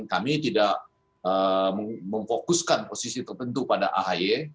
kami tidak memfokuskan posisi tertentu pada ahy